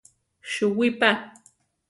Suwí pa!